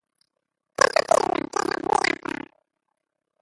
Què s'afirma que és admirable?